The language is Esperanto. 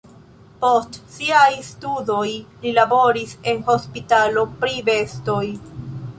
Post siaj studoj li laboris en hospitalo pri bestoj.